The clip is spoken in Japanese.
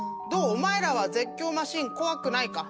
お前らは絶叫マシン怖くないか？